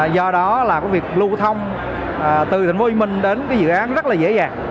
do đó là có việc lưu thông từ tỉnh hồ chí minh đến dự án rất là dễ dàng